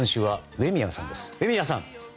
上宮さん！